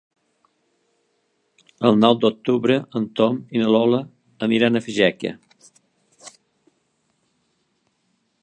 El nou d'octubre en Tom i na Lola aniran a Fageca.